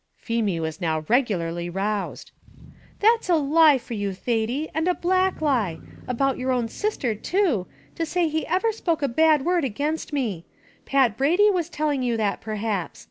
Feemy was now regularly roused. "That's a lie for you, Thady! and a black lie about your own sister too, to say he ever spoke a bad word against me! Pat Brady was telling you that perhaps.